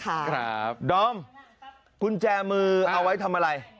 ครับดอมกุญแจมือเอาไว้ทำอะไร